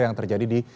yang terjadi di